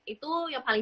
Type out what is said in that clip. itu yang paling